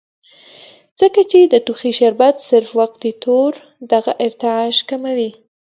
ځکه چې د ټوخي شربت صرف وقتي طور دغه ارتعاش کموي